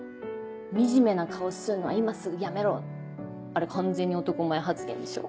「惨めな顔すんのは今すぐやめろ」ってあれ完全に男前発言でしょ？